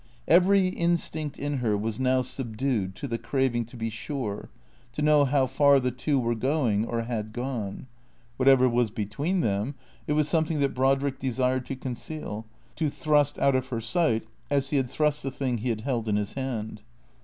Every instinct in her was now subdued to the craving to be sure, to know how far the two were going or had gone. What ever was between them, it was something that Brodrick desired to conceal, to thrust out of her sight, as he had thrust the thing he had held in his hand.